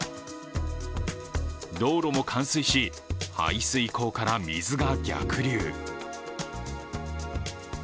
道路も冠水し、排水溝から水が逆流